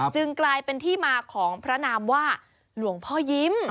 กลายเป็นที่มาของพระนามว่าหลวงพ่อยิ้ม